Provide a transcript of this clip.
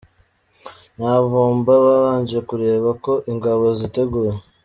Nyamvumba babanje kureba ko Ingabo ziteguye.